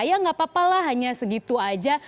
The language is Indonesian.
ya tidak apa apalah hanya segitu saja